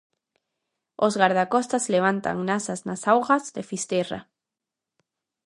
Os gardacostas levantan nasas nas augas de Fisterra.